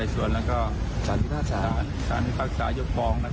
สารมิภาคสารยกฟองนะครับ